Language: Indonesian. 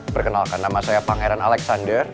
perkenalkan nama saya pangeran alexander